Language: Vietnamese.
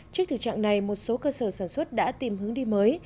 trước thực trạng này một số cơ sở sản xuất đã tìm hướng đi mới